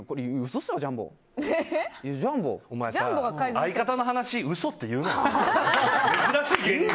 お前さ、相方の話嘘って言うな。